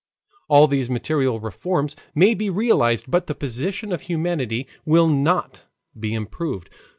All these material reforms may be realized, but the position of humanity will not be improved.